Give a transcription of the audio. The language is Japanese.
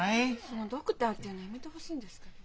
その「ドクター」っていうのやめてほしいんですけど。